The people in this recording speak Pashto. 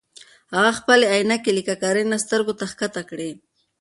هغه خپلې عینکې له ککرۍ نه سترګو ته ښکته کړې.